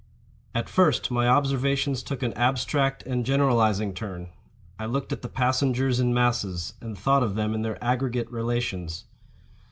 At first my observations took an abstract and generalizing turn. I looked at the passengers in masses, and thought of them in their aggregate relations.